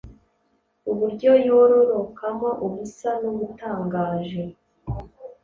uburyo yororokamo busa n’ubutangaje